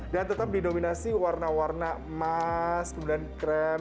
dan tetap didominasi warna warna emas kemudian krem